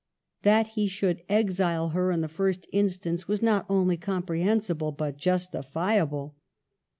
That he should exile her in the first instance was not only comprehensible but justifiable.